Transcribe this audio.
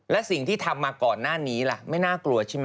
และสิ่งที่ทำมาก่อนหน้านี้ล่ะไม่น่ากลัวใช่ไหม